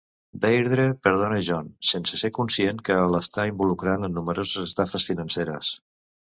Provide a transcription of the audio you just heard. Deirdre perdona Jon, sense ser conscient que l'està involucrant en nombroses estafes financeres.